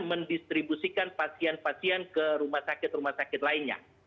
mendistribusikan pasien pasien ke rumah sakit rumah sakit lainnya